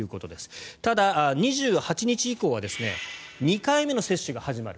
ただ、２８日以降は２回目の接種が始まる。